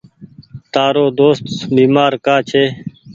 تآرو دوست بيمآر ڪآ ڇي۔